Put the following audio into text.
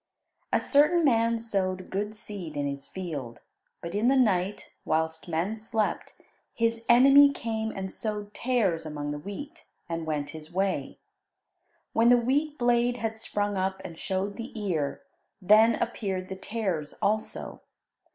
A certain man sowed good seed in his field, but in the night, whilst men slept, his enemy came and sowed tares among the wheat, and went his way. When the wheat blade had sprung up and showed the ear, then appeared the tares also.